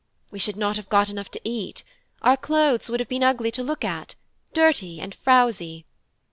We should not have got enough to eat; our clothes would have been ugly to look at, dirty and frowsy.